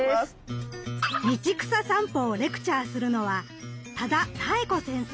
道草さんぽをレクチャーするのは多田多恵子先生。